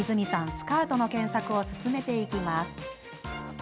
スカートの検索を進めていきます。